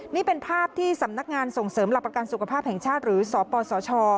นี่เป็นภาพที่สำนักงานส่งเสริมหลักประกันสุขภาพแห่งชาติหรือสปสช